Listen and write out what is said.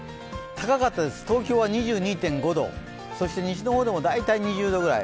高かったです、東京は２２．５度そして西の方でも大体２０度ぐらい。